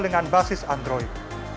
dengan basis android